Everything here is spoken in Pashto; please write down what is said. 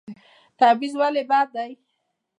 تبعیض ولې بد دی؟